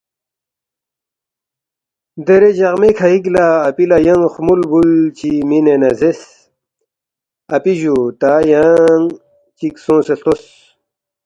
دیرے جقمے کھئِک لہ اپی لہ ینگ خمُول بُول چی مِنے نہ زیرس، ”اپی جُو تا یانگ چِک سونگسے ہلتوس